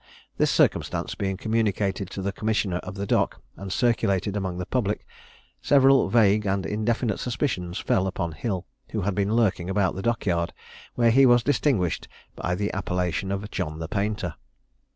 This circumstance being communicated to the commissioner of the dock, and circulated among the public, several vague and indefinite suspicions fell upon Hill, who had been lurking about the dock yard, where he was distinguished by the appellation of "John the Painter."